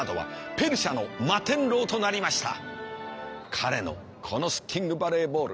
彼のこのシッティングバレーボール。